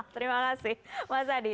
terima kasih mas adi